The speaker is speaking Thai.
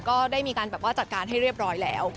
ก็ได้มีการแบบว่าจัดการให้เรียบร้อยแล้ว